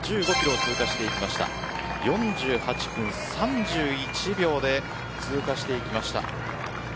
４８分３１秒で通過しました。